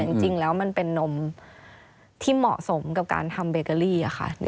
แต่จริงแล้วมันเป็นนมที่เหมาะสมกับการทำเบเกอรี่ค่ะ